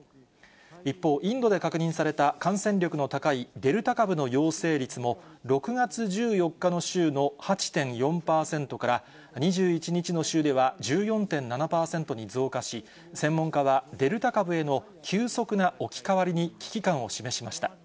一方、インドで確認された感染力の高いデルタ株の陽性率も、６月１４日の週の８．４％から、２１日の週では１４．７％に増加し、専門家はデルタ株への急速な置き換わりに危機感を示しました。